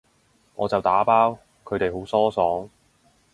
我就打包，佢哋好疏爽